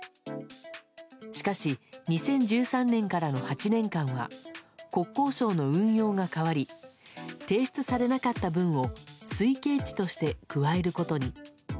しかし２０１３年からの８年間は国交省の運用が変わり提出されなかった分を推計値として加えることに。